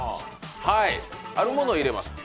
あるものを入れます。